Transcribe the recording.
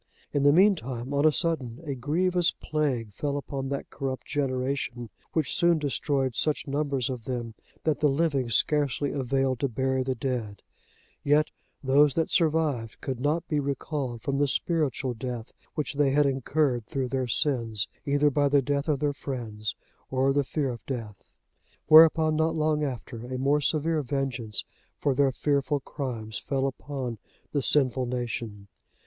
In the meantime, on a sudden, a grievous plague fell upon that corrupt generation, which soon destroyed such numbers of them, that the living scarcely availed to bury the dead: yet, those that survived, could not be recalled from the spiritual death, which they had incurred through their sins, either by the death of their friends, or the fear of death. Whereupon, not long after, a more severe vengeance for their fearful crimes fell upon the sinful nation.